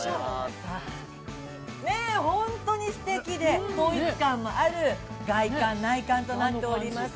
◆ねえ、本当にすてきで、統一感もある、外観、内観となっております。